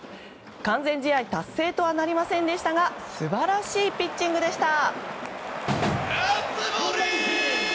完全試合達成とはなりませんでしたが素晴らしいピッチングでした。